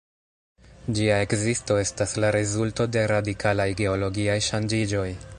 Ĝia ekzisto estas la rezulto de radikalaj geologiaj ŝanĝiĝoj.